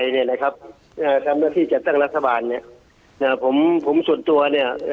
ทำหน้าที่จัดตั้งรัฐบาลผมส่วนตัวเนี่ย